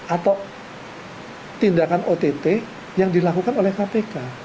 atau tindakan ott yang dilakukan oleh kpk